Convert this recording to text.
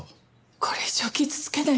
これ以上傷つけないで。